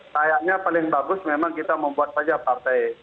kayaknya paling bagus memang kita membuat saja partai